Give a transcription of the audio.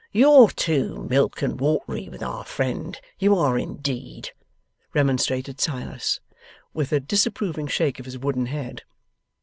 'You're too milk and watery with our friend, you are indeed,' remonstrated Silas, with a disapproving shake of his wooden head.